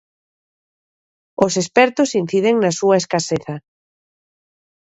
Os expertos inciden na súa escaseza.